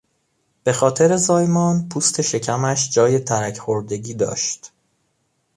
به خاطر زایمان، پوست شکمش جای ترک خوردگی داشت.